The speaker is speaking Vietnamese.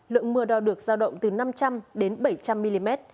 lượng mưa đo được giao động từ năm trăm linh đến bảy trăm linh mm